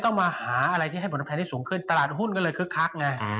ต้องมาหาอะไรให้ปลดแพนที่สูงขึ้นว่าตลาดหุ้นก็เลยคึกคัก